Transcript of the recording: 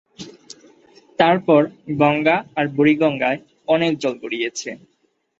তারপর গঙ্গা আর বুড়িগঙ্গায় অনেক জল গড়িয়েছে।